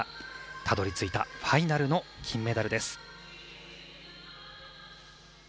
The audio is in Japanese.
たどり着いたファイナルの金メダルです。